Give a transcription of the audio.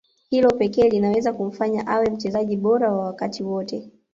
Hilo pekee linaweza kumfanya awe mchezaji bora wa wakati wote